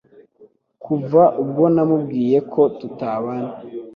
Kuva ubwo namubwiye ko tutabana